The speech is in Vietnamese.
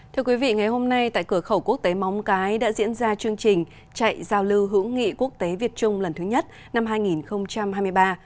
thưa quý vị ngày hôm nay tại cửa khẩu quốc tế móng cái đã diễn ra chương trình chạy giao lưu hữu nghị quốc tế việt trung lần thứ nhất năm hai nghìn hai mươi ba